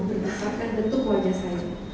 berdasarkan bentuk wajah saya